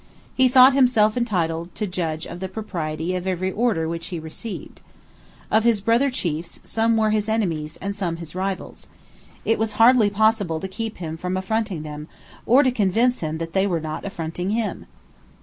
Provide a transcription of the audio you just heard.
He thought himself entitled to judge of the propriety of every order which he received. Of his brother chiefs, some were his enemies and some his rivals. It was hardly possible to keep him from affronting them, or to convince him that they were not affronting him.